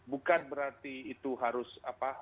bukan berarti itu harus